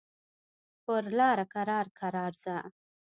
پر لاره کرار کرار ځه.